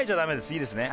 いいですね？